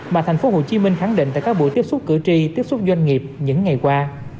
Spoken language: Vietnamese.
mà thành phố hồ chí minh khẳng định tại các buổi tiếp xúc cử tri tiếp xúc doanh nghiệp những ngày qua